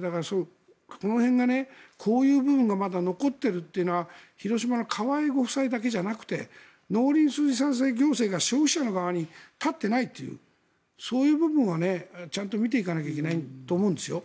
だからこの辺がこういう部分がまだ残っているというのは広島の河井ご夫妻だけじゃなくて農林水産行政が消費者の側に立っていないというそういう部分はちゃんと見ていかなきゃいけないと思うんですよ。